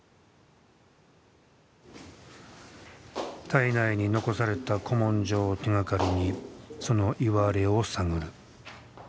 体内に残された古文書を手がかりにそのいわれを探る。